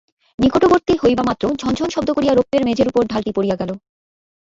নিকটবর্তী হইবামাত্র ঝনঝন শব্দ করিয়া রৌপ্যের মেঝের উপর ঢালটি পড়িয়া গেল।